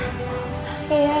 kok jessy gak ada